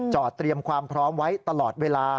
เตรียมความพร้อมไว้ตลอดเวลา